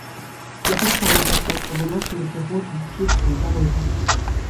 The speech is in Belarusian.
Я таксама хачу, каб у нас былі прыгожыя, чыстыя дарогі.